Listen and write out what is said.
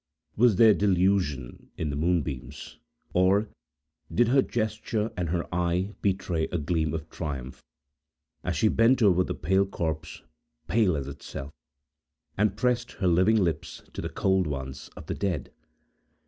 Was there delusion in the moonbeams, or did her gesture and her eye betray a gleam of triumph, as she bent over the pale corpse pale as itself—and pressed her living lips to the cold ones of the dead?